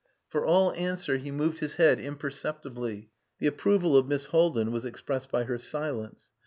For all answer he moved his head imperceptibly. The approval of Miss Haldin was expressed by her silence.